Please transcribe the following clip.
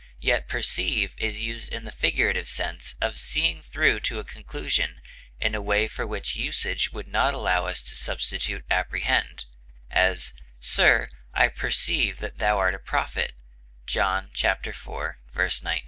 Yet perceive is used in the figurative sense of seeing through to a conclusion, in a way for which usage would not allow us to substitute apprehend; as, "Sir, I perceive that thou art a prophet," John iv, 19.